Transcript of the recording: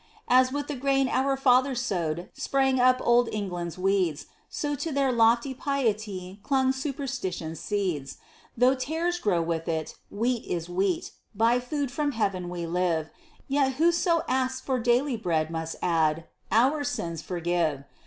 As with the grain our fathers sowed sprang up Old England's weeds, So to their lofty piety clung superstition's seeds. Though tares grow with it, wheat is wheat: by food from heaven we live: Yet whoso asks for daily bread must add, "Our sins forgive!"